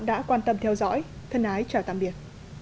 đã quan tâm theo dõi thân ái chào tạm biệt